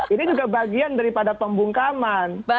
ini juga bagian daripada pembungkaman